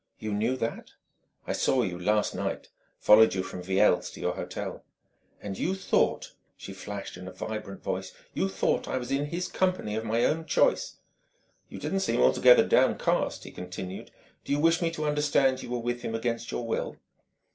"You knew that?" "I saw you last night followed you from Viel's to your hotel." "And you thought," she flashed in a vibrant voice "you thought I was in his company of my own choice!" "You didn't seem altogether downcast," he countered, "Do you wish me to understand you were with him against your will?"